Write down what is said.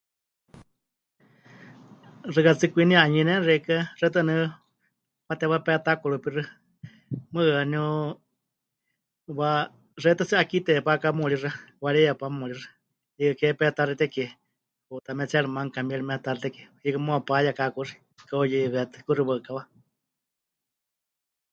Xɨka tsɨ kwinie 'anuyɨneni xeikɨ́a, xewítɨ waníu watewá petakurupixɨ, mɨɨkɨ waníu wa... xewítɨ tsɨ 'akíteya pakamuuríxɨ, warieya panumuuríxɨ, hiikɨ ke petaxitékie, huutametseeri manukamie ri metaxitekie, hiikɨ muuwa payeka kuxi, ka'uyeiweétɨ kuxi waɨkawa.